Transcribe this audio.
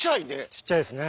小っちゃいですね。